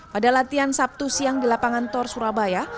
pada latihan sabtu siang di lapangan tor surabaya